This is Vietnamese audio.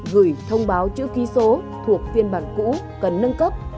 gửi thông báo chữ ký số thuộc phiên bản cũ cần nâng cấp